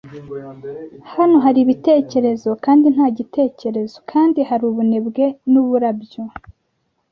hano haribitekerezo kandi nta gitekerezo, kandi hariho ubunebwe nuburabyo